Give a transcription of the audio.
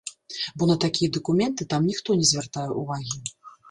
Бо на такія дакументы там ніхто не звяртае ўвагі.